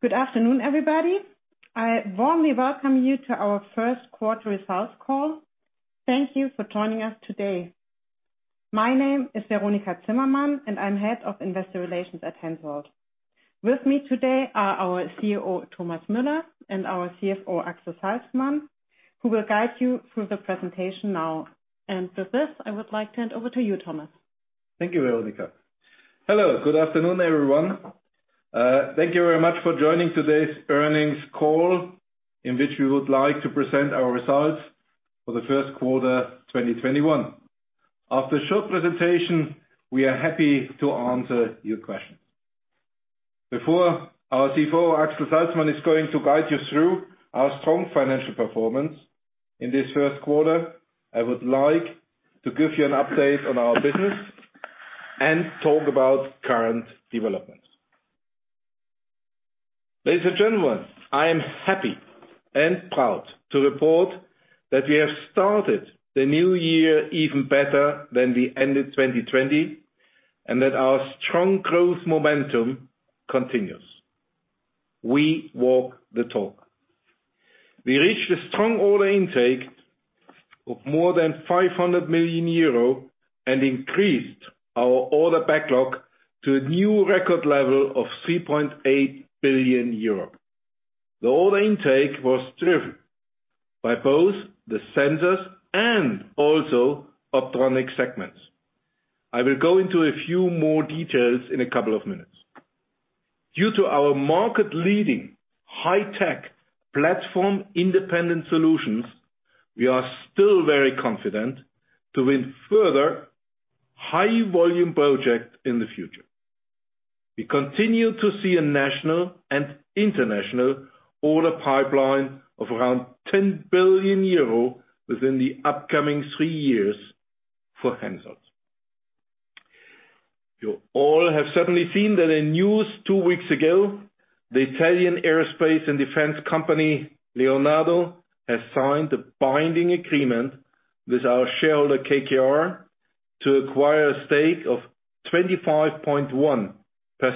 Good afternoon, everybody. I warmly welcome you to our first quarter results call. Thank you for joining us today. My name is Veronika Endres, and I'm Head of Investor Relations at Hensoldt. With me today are our CEO, Thomas Müller, and our CFO, Axel Salzmann, who will guide you through the presentation now. For this, I would like to hand over to you, Thomas. Thank you, Veronika. Hello. Good afternoon, everyone. Thank you very much for joining today's earnings call, in which we would like to present our results for the first quarter 2021. After a short presentation, we are happy to answer your questions. Before our CFO, Axel Salzmann, is going to guide you through our strong financial performance in this first quarter, I would like to give you an update on our business and talk about current developments. Ladies and gentlemen, I am happy and proud to report that we have started the new year even better than we ended 2020, and that our strong growth momentum continues. We walk the talk. We reached a strong order intake of more than 500 million euro and increased our order backlog to a new record level of 3.8 billion euros. The order intake was driven by both the sensors and also optronics segments. I will go into a few more details in a couple of minutes. Due to our market-leading, high-tech, platform-independent solutions, we are still very confident to win further high-volume projects in the future. We continue to see a national and international order pipeline of around 10 billion euro within the upcoming three years for Hensoldt. You all have certainly seen that in news two weeks ago, the Italian aerospace and defense company, Leonardo, has signed a binding agreement with our shareholder, KKR, to acquire a stake of 25.1% in Hensoldt. This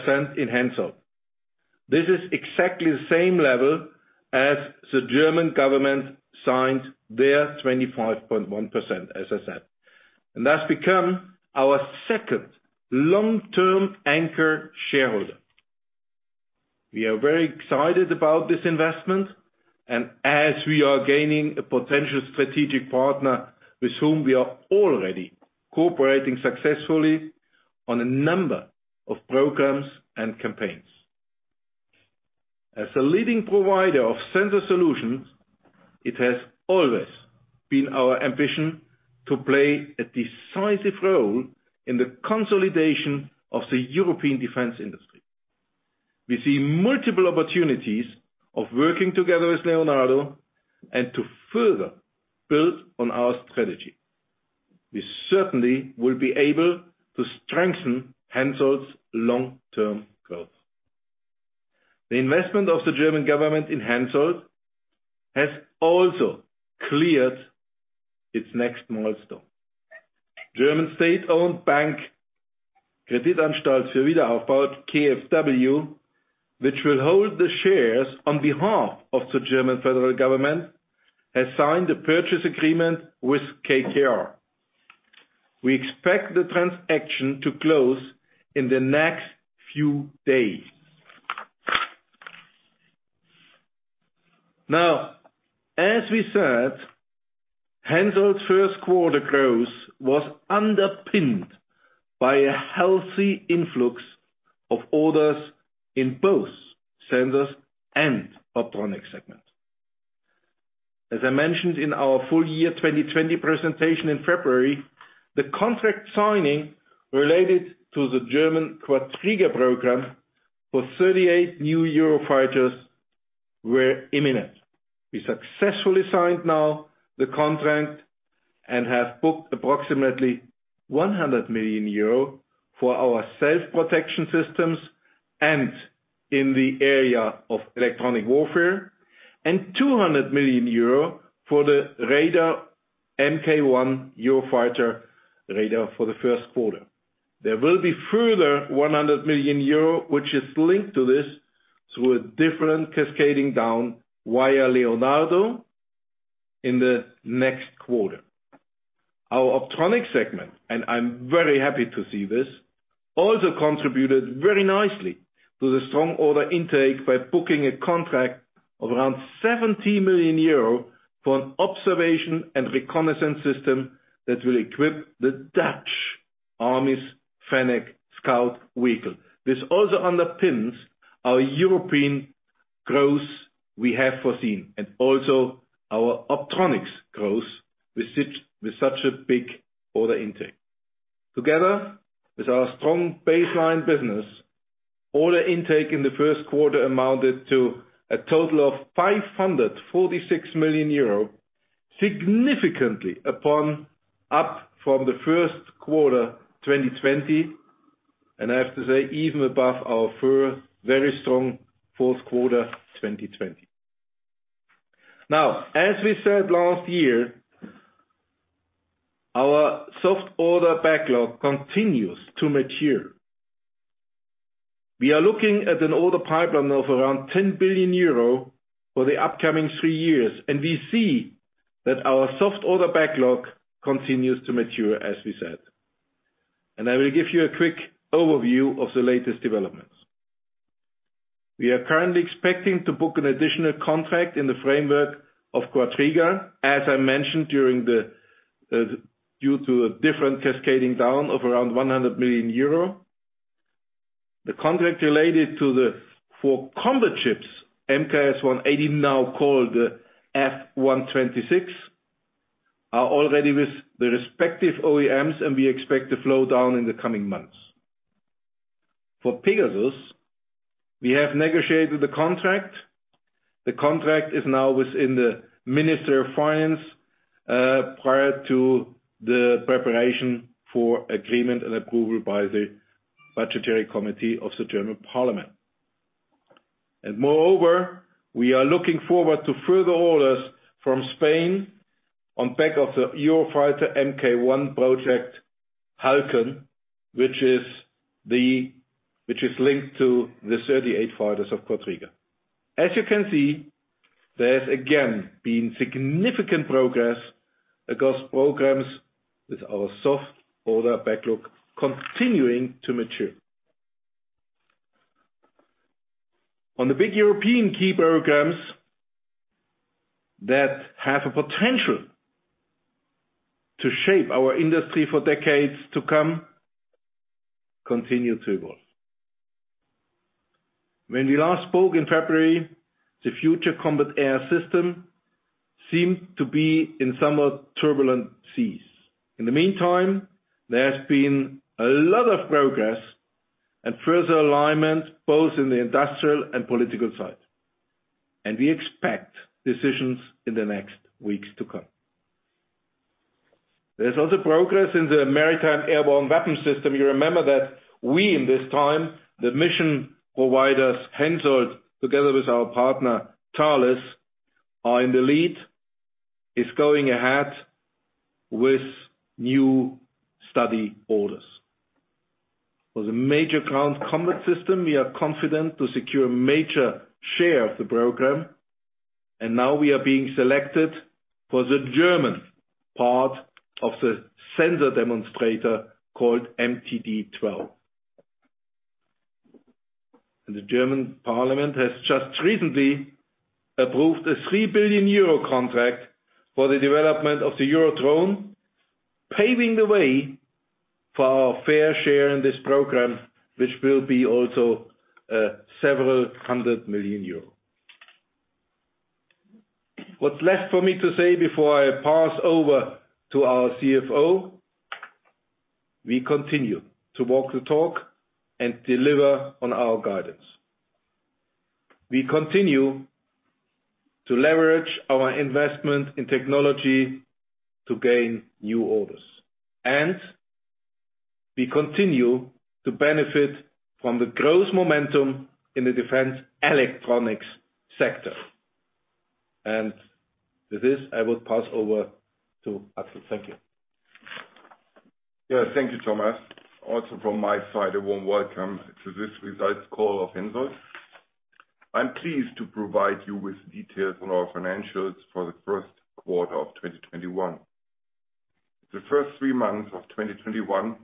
is exactly the same level as the German government signed their 25.1%, as I said, and thus become our second long-term anchor shareholder. We are very excited about this investment, and as we are gaining a potential strategic partner with whom we are already cooperating successfully on a number of programs and campaigns. As a leading provider of sensor solutions, it has always been our ambition to play a decisive role in the consolidation of the European defense industry. We see multiple opportunities of working together with Leonardo and to further build on our strategy. We certainly will be able to strengthen Hensoldt's long-term growth. The investment of the German government in Hensoldt has also cleared its next milestone. German state-owned bank, Kreditanstalt für Wiederaufbau, KfW, which will hold the shares on behalf of the German federal government, has signed a purchase agreement with KKR. We expect the transaction to close in the next few days. As we said, Hensoldt's first quarter growth was underpinned by a healthy influx of orders in both sensors and optronics segments. As I mentioned in our full year 2020 presentation in February, the contract signing related to the German Quadriga program for 38 new Eurofighters were imminent. We successfully signed now the contract and have booked approximately 100 million euro for our self-protection systems and in the area of electronic warfare, and 200 million euro for the radar, Mk1 Eurofighter radar for the first quarter. There will be further 100 million euro, which is linked to this, through a different cascading down via Leonardo in the next quarter. Our optronics segment, and I'm very happy to see this, also contributed very nicely to the strong order intake by booking a contract of around 70 million euro for an observation and reconnaissance system that will equip the Dutch Army's Fennek scout vehicle. This also underpins our European growth we have foreseen, and also our optronics growth with such a big order intake. Together with our strong baseline business, order intake in the first quarter amounted to a total of 546 million euro, significantly up from the first quarter 2020. I have to say, even above our very strong fourth quarter 2020. As we said last year, our soft order backlog continues to mature. We are looking at an order pipeline of around 10 billion euro for the upcoming three years. We see that our soft order backlog continues to mature as we said. I will give you a quick overview of the latest developments. We are currently expecting to book an additional contract in the framework of Quadriga, as I mentioned, due to a different cascading down of around 100 million euro. The contract related to the four combat ships, MKS 180, now called F126, are already with the respective OEMs. We expect to flow down in the coming months. For Pegasus, we have negotiated the contract. The contract is now within the Minister of Finance, prior to the preparation for agreement and approval by the Budgetary Committee of the German Bundestag. Moreover, we are looking forward to further orders from Spain on behalf of the Eurofighter Mk1 project, Halcon, which is linked to the 38 fighters of Quadriga. As you can see, there's again been significant progress across programs with our soft order backlog continuing to mature. On the big European key programs that have a potential to shape our industry for decades to come, continue to evolve. When we last spoke in February, the Future Combat Air System seemed to be in somewhat turbulent seas. In the meantime, there has been a lot of progress and further alignment, both in the industrial and political side. We expect decisions in the next weeks to come. There's also progress in the Maritime Airborne Warfare System. You remember that we, in this time, the mission providers, Hensoldt, together with our partner, Thales, are in the lead, is going ahead with new study orders. For the Main Ground Combat System, we are confident to secure a major share of the program, and now we are being selected for the German part of the sensor demonstrator called MTD 12. The German parliament has just recently approved a 3 billion euro contract for the development of the Eurodrone, paving the way for our fair share in this program, which will be also several hundred million EUR. What's left for me to say before I pass over to our CFO, we continue to walk the talk and deliver on our guidance. We continue to leverage our investment in technology to gain new orders, and we continue to benefit from the growth momentum in the defense electronics sector. With this, I will pass over to Axel. Thank you. Thank you, Thomas. Also from my side, a warm welcome to this results call of Hensoldt. I'm pleased to provide you with details on our financials for the first quarter of 2021. The first three months of 2021,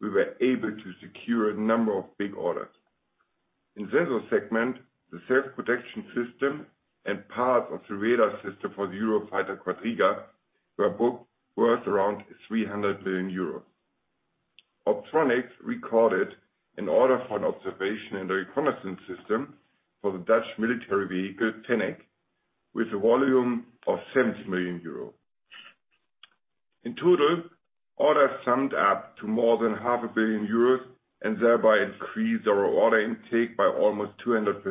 we were able to secure a number of big orders. In Sensor segment, the self-protection system and parts of the radar system for the Eurofighter Quadriga were booked worth around 300 million euros. Optronics recorded an order for an observation and a reconnaissance system for the Dutch military vehicle, Fennek, with a volume of 70 million euro. In total, orders summed up to more than half a billion EUR, thereby increased our order intake by almost 200%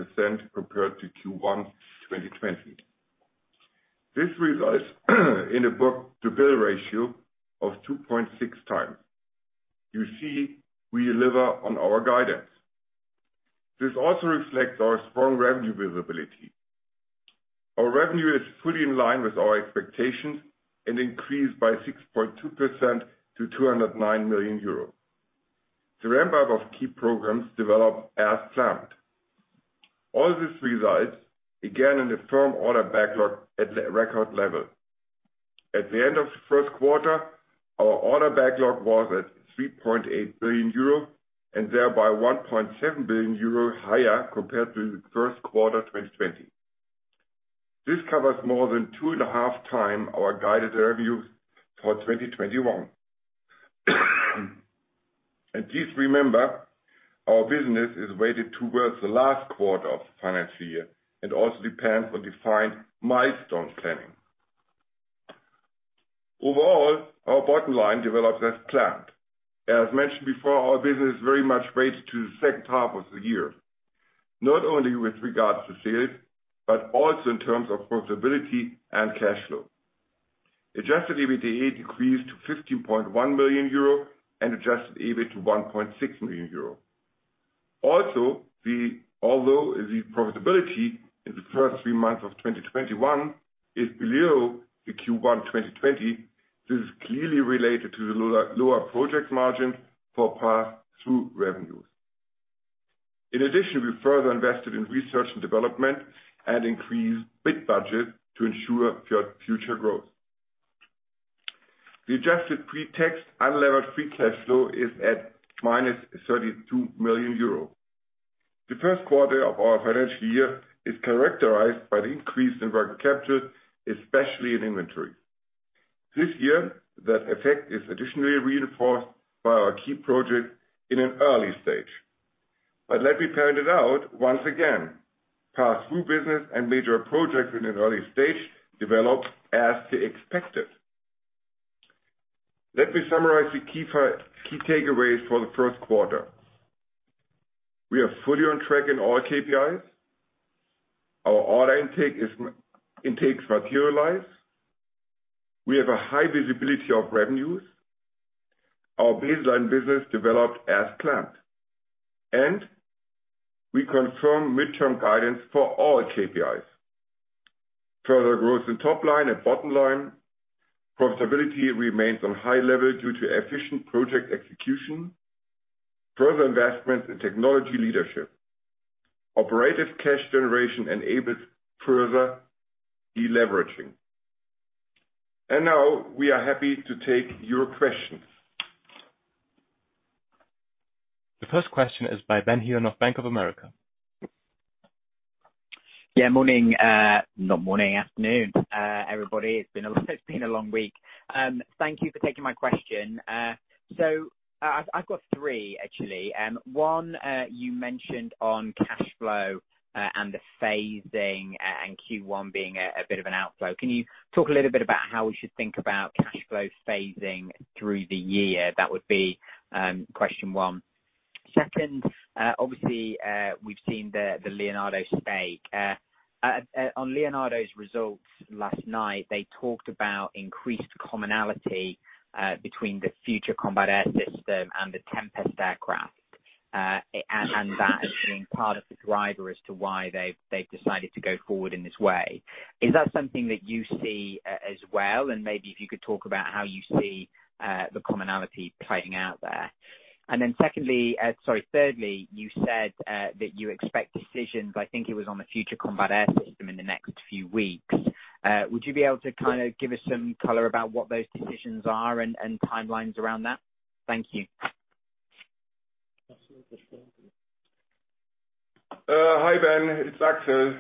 compared to Q1 2020. This results in a book-to-bill ratio of 2.6 times. You see, we deliver on our guidance. This also reflects our strong revenue visibility. Our revenue is fully in line with our expectations and increased by 6.2% to 209 million euros. The ramp-up of key programs developed as planned. All this results again in the firm order backlog at a record level. At the end of the first quarter, our order backlog was at 3.8 billion euro and thereby 1.7 billion euro higher compared to the first quarter of 2020. This covers more than two and a half times our guided revenues for 2021. Please remember, our business is weighted towards the last quarter of the financial year and also depends on defined milestone planning. Overall, our bottom line developed as planned. As mentioned before, our business very much weighted to the second half of the year. Not only with regard to sales, but also in terms of profitability and cash flow. Adjusted EBITDA decreased to 15.1 million euro and adjusted EBIT to 1.6 million euro. Although the profitability in the first three months of 2021 is below the Q1 2020, this is clearly related to the lower project margins for pass-through revenues. We further invested in research and development and increased bid budget to ensure future growth. The adjusted pre-tax unlevered free cash flow is at minus 32 million euro. The first quarter of our financial year is characterized by the increase in working capital, especially in inventory. This year, that effect is additionally reinforced by our key project in an early stage. Let me point it out once again, pass-through business and major projects in an early stage develop as expected. Let me summarize the key takeaways for the first quarter. We are fully on track in all KPIs. Our order intake is materialized. We have a high visibility of revenues. Our baseline business developed as planned, and we confirm midterm guidance for all KPIs. Further growth in top line and bottom line. Profitability remains on high level due to efficient project execution. Further investments in technology leadership. Operative cash generation enables further deleveraging. Now we are happy to take your questions. The first question is by Benjamin Heelan of Bank of America. Yeah, morning. Not morning, afternoon, everybody. It's been a long week. Thank you for taking my question. I've got three, actually. One, you mentioned on cash flow and the phasing and Q1 being a bit of an outflow. Can you talk a little bit about how we should think about cash flow phasing through the year? That would be question one. Second, obviously, we've seen the Leonardo stake. On Leonardo's results last night, they talked about increased commonality between the Future Combat Air System and the Tempest aircraft, and that as being part of the driver as to why they've decided to go forward in this way. Is that something that you see as well? Maybe if you could talk about how you see the commonality playing out there. Thirdly, you said that you expect decisions, I think it was on the Future Combat Air System in the next few weeks. Would you be able to give us some color about what those decisions are and timelines around that? Thank you. Absolutely. Hi, Ben. It's Axel.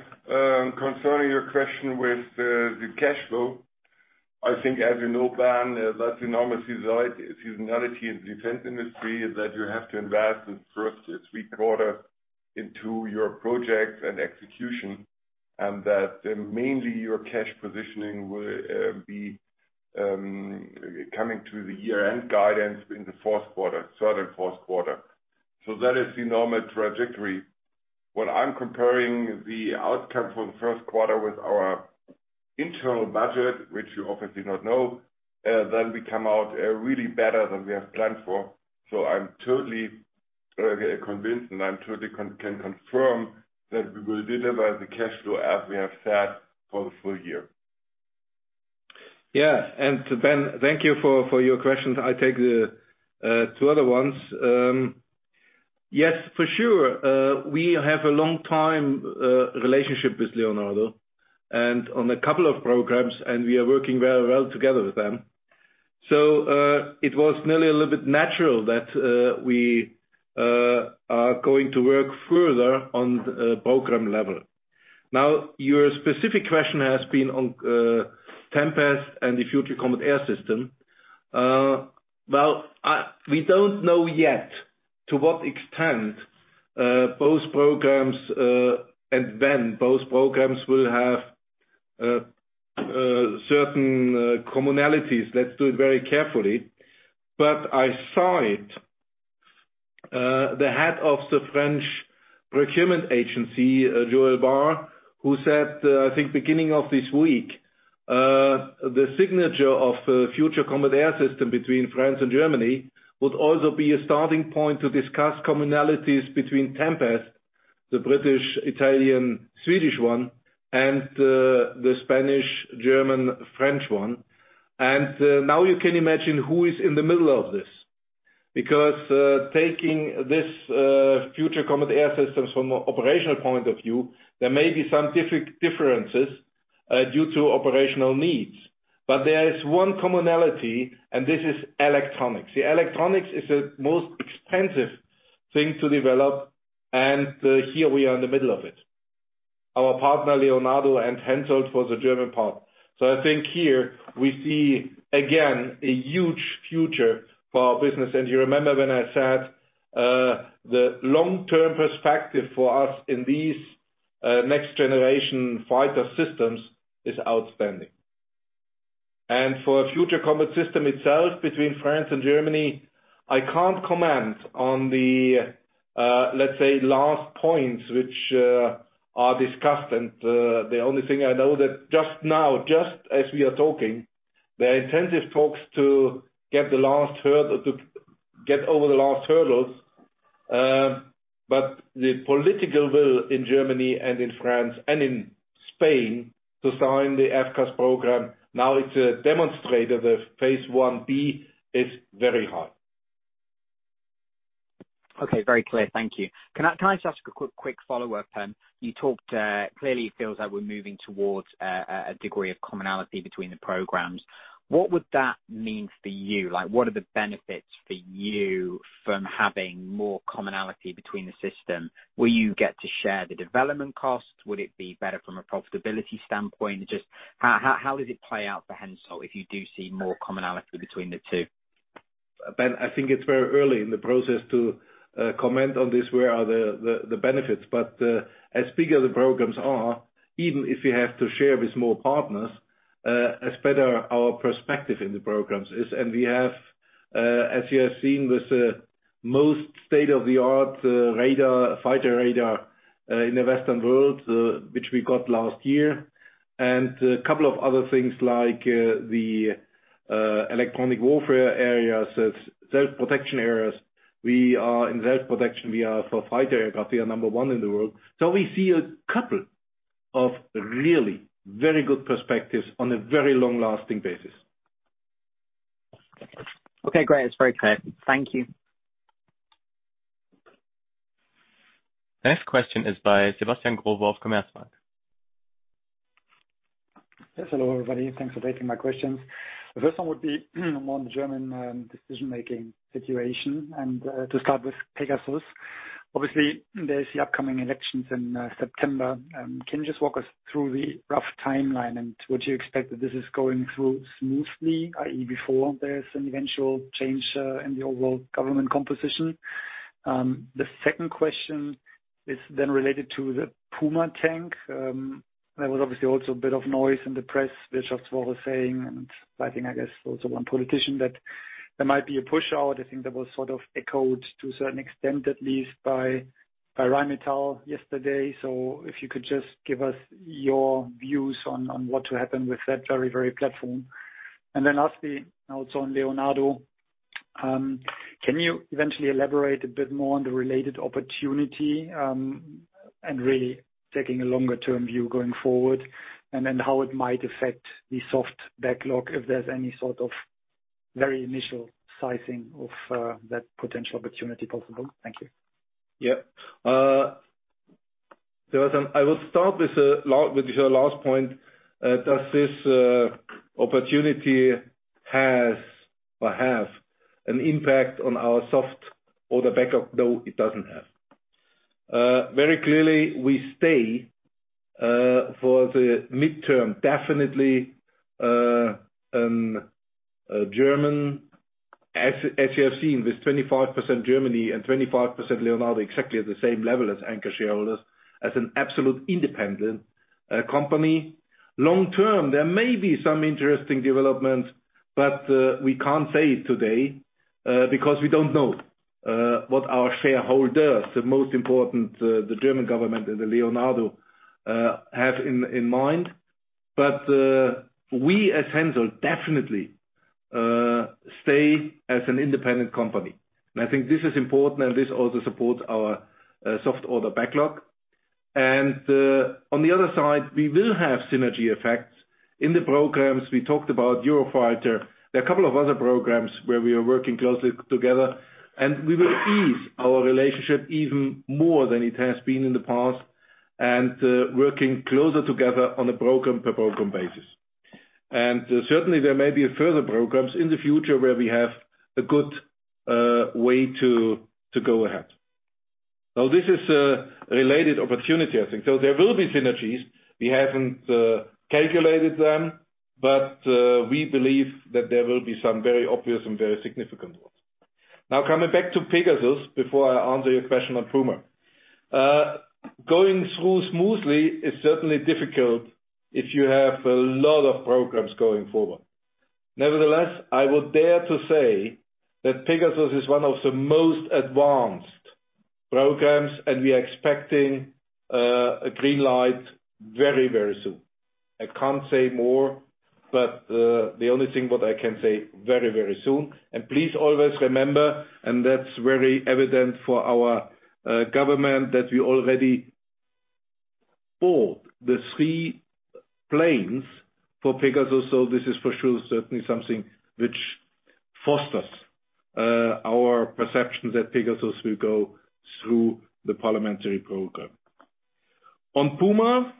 Concerning your question with the cash flow. I think as you know, Ben, that's enormous seasonality in defense industry, that you have to invest the first three quarters into your projects and execution, and that mainly your cash positioning will be coming to the year-end guidance in the third and fourth quarter. That is the normal trajectory. What I'm comparing the outcome for the first quarter with our internal budget, which you obviously not know, then we come out really better than we have planned for. I'm totally convinced, and I totally can confirm that we will deliver the cash flow as we have said for the full year. Yeah, Ben, thank you for your questions. I take the two other ones. Yes, for sure, we have a long time relationship with Leonardo and on a couple of programs, and we are working very well together with them. It was nearly a little bit natural that we are going to work further on the program level. Your specific question has been on Tempest and the Future Combat Air System. We don't know yet to what extent both programs, and when both programs will have certain commonalities. Let's do it very carefully. I saw it, the head of the French procurement agency, Joël Barre, who said, I think beginning of this week, the signature of Future Combat Air System between France and Germany would also be a starting point to discuss commonalities between Tempest, the British, Italian, Swedish one, and the Spanish, German, French one. Now you can imagine who is in the middle of this, because, taking this Future Combat Air System from an operational point of view, there may be some differences due to operational needs. There is one commonality, and this is electronics. The electronics is the most expensive thing to develop, and here we are in the middle of it. Our partner, Leonardo and Hensoldt, for the German part. I think here we see, again, a huge future for our business. You remember when I said the long-term perspective for us in these next generation fighter systems is outstanding. For Future Combat System itself between France and Germany, I can't comment on the, let's say, last points which are discussed. The only thing I know that just now, just as we are talking There are intensive talks to get over the last hurdles, but the political will in Germany and in France and in Spain to sign the FCAS program, now it's a demonstrator, the Phase 1B, is very high. Okay, very clear. Thank you. Can I just ask a quick follow-up then? You talked, clearly it feels like we're moving towards a degree of commonality between the programs. What would that mean for you? What are the benefits for you from having more commonality between the system? Will you get to share the development costs? Would it be better from a profitability standpoint? Just, how does it play out for Hensoldt if you do see more commonality between the two? Ben, I think it's very early in the process to comment on this, where are the benefits. As big as the programs are, even if we have to share with more partners, as better our perspective in the programs is. We have, as you have seen, with the most state-of-the-art radar, fighter radar in the Western world, which we got last year. A couple of other things like the electronic warfare areas, self-protection areas. We are in self-protection, we are for fighter aircraft, we are number one in the world. We see a couple of really very good perspectives on a very long-lasting basis. Okay, great. It's very clear. Thank you. Next question is by Sebastian Growe of Commerzbank. Yes, hello, everybody. Thanks for taking my questions. The first one would be more on the German decision-making situation and to start with Pegasus. Obviously, there's the upcoming elections in September. Can you just walk us through the rough timeline and would you expect that this is going through smoothly, i.e., before there's an eventual change in the overall government composition? The second question is related to the Puma tank. There was obviously also a bit of noise in the press, which also was saying, and I think, I guess also one politician, that there might be a push out. I think that was sort of echoed to a certain extent, at least by Rheinmetall yesterday. If you could just give us your views on what will happen with that very platform. Lastly, also on Leonardo, can you eventually elaborate a bit more on the related opportunity, and really taking a longer-term view going forward, and then how it might affect the soft backlog, if there's any sort of very initial sizing of that potential opportunity possible? Thank you. Sebastian, I will start with your last point. Does this opportunity have an impact on our soft order backlog? No, it doesn't have. Clearly, we stay, for the midterm, definitely, German, as you have seen, with 25% Germany and 25% Leonardo exactly at the same level as anchor shareholders, as an absolute independent company. Long term, there may be some interesting developments, we can't say it today, because we don't know what our shareholders, the most important, the German government and Leonardo, have in mind. We at Hensoldt definitely stay as an independent company. I think this is important, and this also supports our soft order backlog. On the other side, we will have synergy effects in the programs. We talked about Eurofighter. There are a couple of other programs where we are working closely together, and we will ease our relationship even more than it has been in the past and, working closer together on a program-to-program basis. Certainly, there may be further programs in the future where we have a good way to go ahead. Now, this is a related opportunity, I think. There will be synergies. We haven't calculated them, but we believe that there will be some very obvious and very significant ones. Now, coming back to Pegasus, before I answer your question on Puma. Going through smoothly is certainly difficult if you have a lot of programs going forward. Nevertheless, I would dare to say that Pegasus is one of the most advanced programs, and we are expecting a green light very soon. I can't say more, but, the only thing what I can say, very soon. Please always remember, and that's very evident for our government, that we already bought the three planes for Pegasus. This is for sure, certainly something which fosters our perception that Pegasus will go through the parliamentary program. On Puma,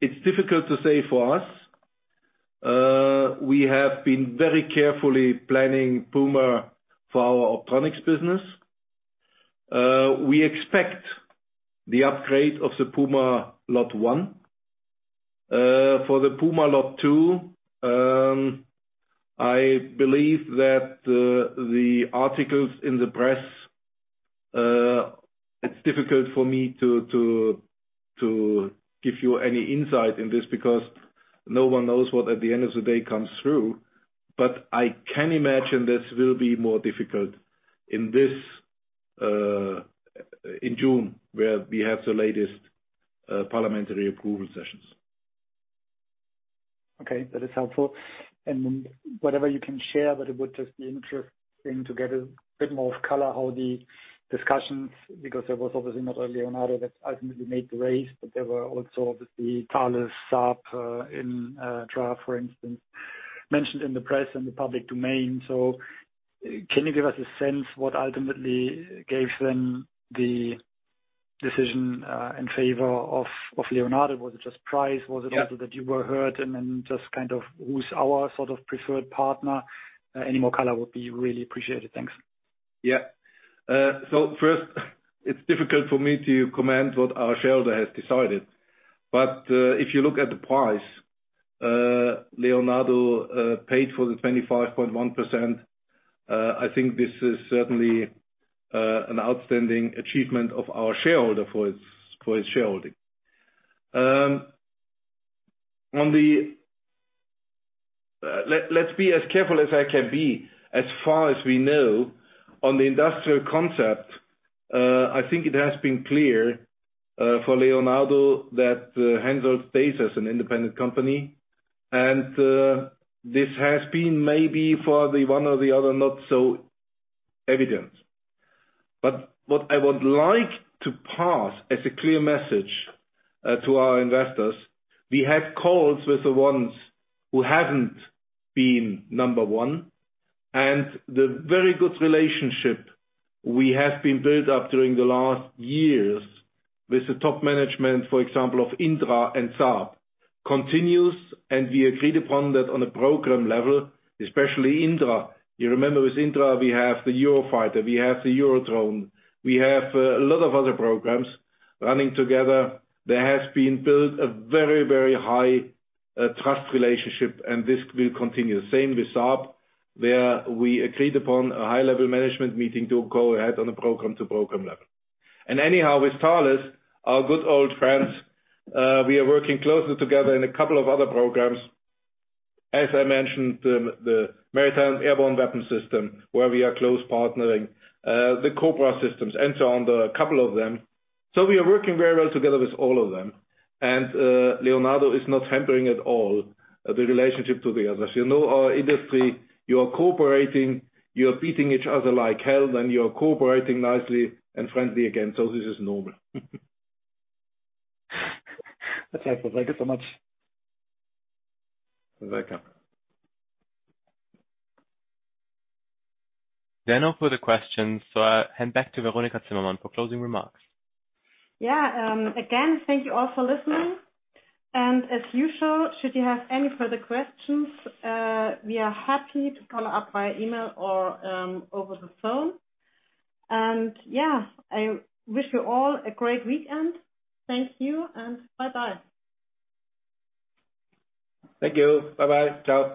it's difficult to say for us. We have been very carefully planning Puma for our optronics business. We expect the upgrade of the Puma Lot one. For the Puma Lot two, I believe that the articles in the press, it's difficult for me to give you any insight in this because no one knows what at the end of the day comes through. I can imagine this will be more difficult this June, where we have the latest parliamentary approval sessions. Okay, that is helpful. Whatever you can share, but it would just be interesting to get a bit more color how the discussions, because there was obviously not only Leonardo that ultimately made the race, but there were also, obviously, Thales, Saab, Indra, for instance, mentioned in the press and the public domain. Can you give us a sense what ultimately gave them the decision in favor of Leonardo? Was it just price? Yeah. Was it also that you were heard and then just who's our preferred partner? Any more color would be really appreciated. Thanks. First, it's difficult for me to comment what our shareholder has decided. If you look at the price Leonardo paid for the 25.1%, I think this is certainly an outstanding achievement of our shareholder for his shareholding. Let's be as careful as I can be. As far as we know, on the industrial concept, I think it has been clear for Leonardo that Hensoldt stays as an independent company. This has been maybe for the one or the other, not so evident. What I would like to pass as a clear message to our investors, we had calls with the ones who haven't been number one, and the very good relationship we have been built up during the last years with the top management, for example, of Indra and Saab, continues, and we agreed upon that on a program level, especially Indra. You remember with Indra, we have the Eurofighter, we have the Eurodrone. We have a lot of other programs running together. There has been built a very, very high trust relationship, and this will continue. Same with Saab, where we agreed upon a high-level management meeting to go ahead on a program-to-program level. Anyhow, with Thales, our good old friends, we are working closely together in a couple of other programs. As I mentioned, the Maritime Airborne Warfare System, where we are close partnering, the COBRA systems, and so on, there are a couple of them. We are working very well together with all of them. Leonardo is not hampering at all the relationship to the others. You know our industry, you are cooperating, you are beating each other like hell, then you are cooperating nicely and friendly again. This is normal. That's helpful. Thank you so much. You're welcome. No further questions. I'll hand back to Veronika Endres for closing remarks. Yeah. Again, thank you all for listening. As usual, should you have any further questions, we are happy to follow up via email or over the phone. Yeah, I wish you all a great weekend. Thank you, and bye-bye. Thank you. Bye-bye. Ciao.